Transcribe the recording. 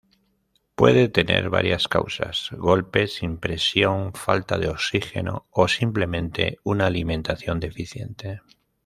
Puede tener varias causas: golpes, impresión, falta de oxígeno o simplemente una alimentación deficiente.